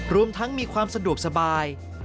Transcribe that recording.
รวมทั้งมีความสะดวกสบาย